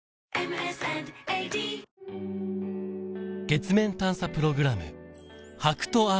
月面探査プログラム